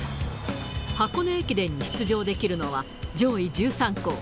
箱根駅伝に出場できるのは上位１３校。